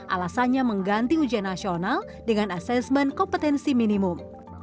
alasannya mengganti ujian nasional dengan asesmen kompetensi minimum